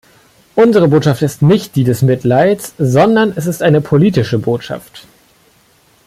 Unsere Botschaft ist nicht die des Mitleids, sondern es ist eine politische Botschaft.